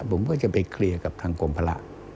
ผมก็จะไปเคลียร์กับทางกรมภาระ